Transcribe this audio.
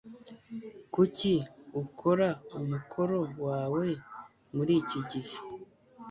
Kuki ukora umukoro wawe muri iki gihe?